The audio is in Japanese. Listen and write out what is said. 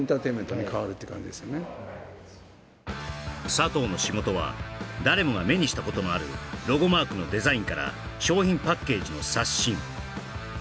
佐藤の仕事は誰もが目にしたことのあるロゴマークのデザインから商品パッケージの刷新